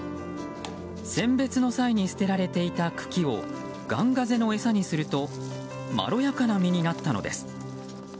選別の際に捨てられていた茎をガンガゼの餌にするとまろやかな身になったのです。